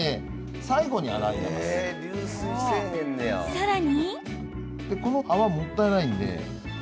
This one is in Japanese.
さらに。